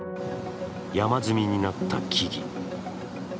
山積みになった木々。